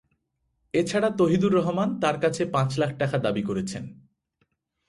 এ ছাড়া তহিদুর রহমান তাঁর কাছে পাঁচ লাখ টাকা দাবি করেছেন।